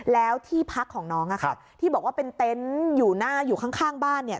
แล้วที่พักของน้องอะค่ะที่บอกว่าเป็นเต็นต์อยู่ข้างบ้านเนี่ย